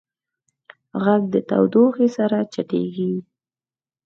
غږ د تودوخې سره چټکېږي.